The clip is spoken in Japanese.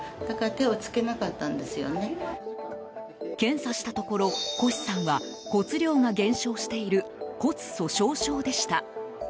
検査したところ、輿さんは骨量が減少している骨粗しょう症でした。